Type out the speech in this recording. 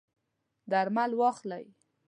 درمل واخلئ